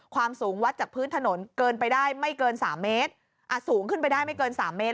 ความสูงวัดจากพื้นถนนเกินไปได้ไม่เกิน๓เมตรสูงขึ้นไปได้ไม่เกิน๓เมตร